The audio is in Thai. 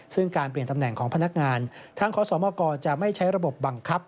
ซึ่งการเปลี่ยนตำแหน่งของพนักงานทางขอสมกจะไม่ใช้ระบบบังคับ